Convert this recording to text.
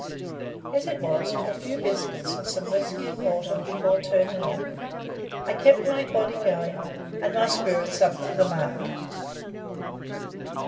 As it was, with a few biscuits and some whisky and water before turning in, I kept my body going and my spirits up to the mark.